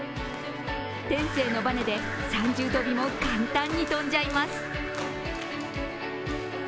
天性のばねで、三重跳びも簡単に跳んじゃいます。